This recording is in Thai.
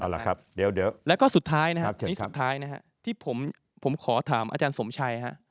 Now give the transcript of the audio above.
เอาล่ะครับเดี๋ยวเดี๋ยวแล้วก็สุดท้ายนะฮะนี่สำคัญนะฮะที่ผมผมขอถามอาจารย์สมชัยฮะ